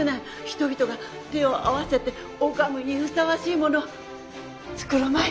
人々が手を合わせて拝むにふさわしい物作るまい！